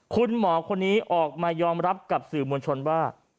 คุณหมอคนนี้ออกมายอมรับกับสื่อมวลชนว่า